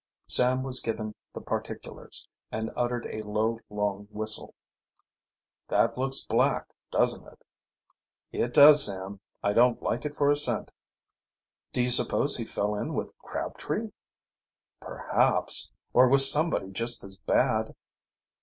Sam was given the particulars, and uttered a long, low whistle. "That looks black, doesn't it?" "It does, Sam. I don't like it for a cent." "Do you suppose he fell in with Crabtree?" "Perhaps or with somebody just as bad."